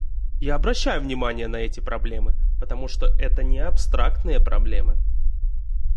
Я обращаю внимание на эти проблемы, потому что это не абстрактные проблемы.